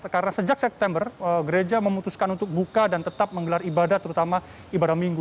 karena sejak september gereja memutuskan untuk buka dan tetap menggelar ibadah terutama ibadah minggu